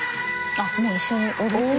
あっもう一緒に踊ってる。